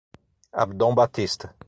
Abdon Batista